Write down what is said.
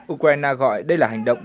ukraine gọi đây là hành động